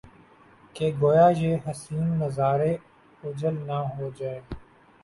کہ گو یا یہ حسین نظارے اوجھل نہ ہو جائیں